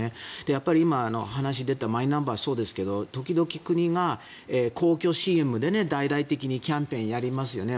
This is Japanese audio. やっぱり今、話に出たマイナンバーもそうですが時々国が公共ＣＭで、大々的にキャンペーンやりますよね。